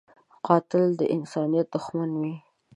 قاتل د انسانیت دښمن وي